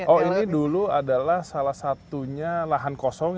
oh ini dulu adalah salah satunya lahan kosong